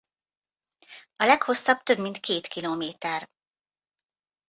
A leghosszabb több mint két kilométer.